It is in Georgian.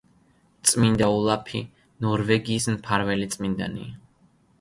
წმინდა ოლაფი ნორვეგიის მფარველი წმინდანია.